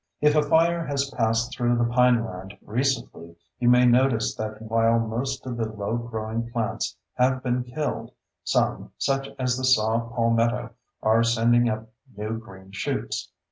If a fire has passed through the pineland recently, you may notice that while most of the low growing plants have been killed, some, such as the saw palmetto, are sending up new green shoots.